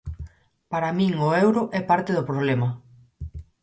Para min o euro é parte do problema.